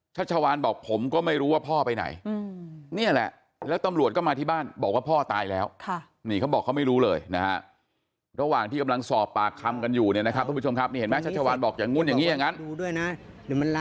ชัชวานบอกผมก็ไม่รู้ว่าพ่อไปไหนนี่แหละแล้วตำรวจก็มาที่บ้านบอกว่าพ่อตายแล้วนี่เขาบอกเขาไม่รู้เลยนะฮะระหว่างที่กำลังสอบปากคำกันอยู่เนี่ยนะครับทุกผู้ชมครับนี่เห็นไหมชัชวานบอกอย่างนู้นอย่างนี้อย่างนั้น